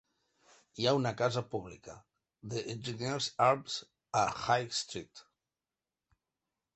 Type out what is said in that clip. Hi ha una casa pública: The Engineers Arms a High Street.